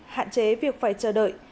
hạn chế việc phải chờ đợi